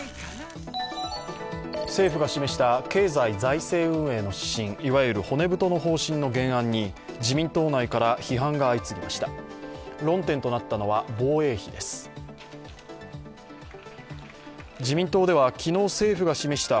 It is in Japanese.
政府が示した経済財政運営の指針、いわゆる骨太の方針の原案に自民党内から批判が相次ぎました。